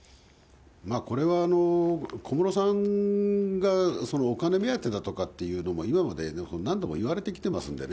これは小室さんがお金目当てだとかっていうのも、今まで何度も言われてきてますんでね。